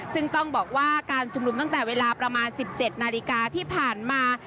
ซึ่งต้องบอกว่าการชุมนุมตั้งแต่เวลาประมาณ๑๗นาฬิกาที่ผ่านมา